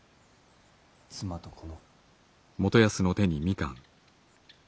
妻と子の。